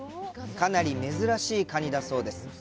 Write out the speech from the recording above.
かなり珍しいカニだそうです。